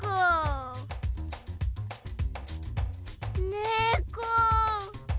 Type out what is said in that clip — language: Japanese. ねこ。